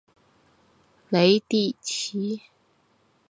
雷迪奇。